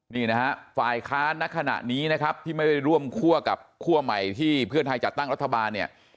นี่นะฮะฝ่ายค้านในขณะนี้นะครับที่ไม่ได้ร่วมคั่วกับคั่วใหม่ที่เพื่อไทยจัดตั้งรัฐบาลเนี่ย